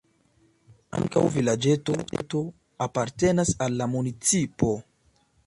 Ankaŭ vilaĝeto apartenas al la municipo.